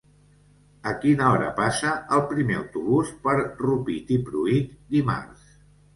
A quina hora passa el primer autobús per Rupit i Pruit dimarts?